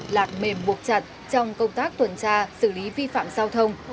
lạt mềm buộc chặt trong công tác tuần tra xử lý vi phạm giao thông